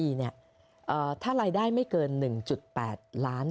ถ้ารายได้ไม่เกิน๑๘ล้าน